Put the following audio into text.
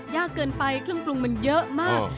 ยากเกินไปเครื่องปรุงมันเยอะมาก